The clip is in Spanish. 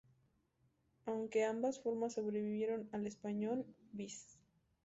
Aunque ambas formas sobrevivieron en el español, viz.